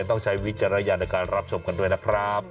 ต้องใช้วิจารณญาณในการรับชมกันด้วยนะครับ